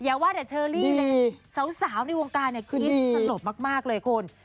อย่าว่าเชอรี่สาวในวงการคืออิสสะโหลบมากเลยคุณ